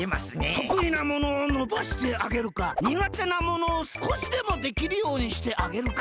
とくいなものをのばしてあげるかにがてなものをすこしでもできるようにしてあげるか。